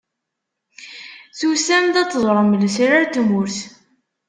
Tusam-d ad teẓrem lesrar n tmurt.